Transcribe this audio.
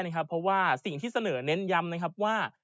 เพราะว่าสิ่งที่เสนอเน้นยำ